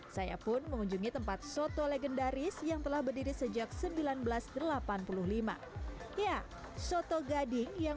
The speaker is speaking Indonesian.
saya pun mengunjungi tempat soto legendaris yang telah berdiri sejak seribu sembilan ratus delapan puluh lima ya soto gading yang